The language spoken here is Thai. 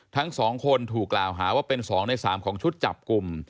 ทั้ง๒คนถูกกล่าวหาว่าเป็น๒ใน๓ของชุดจับกลุ่ม